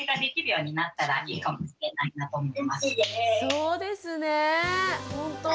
そうですね。